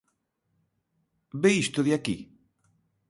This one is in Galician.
Ve isto de aquí?